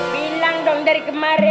bilang dong dari kemarin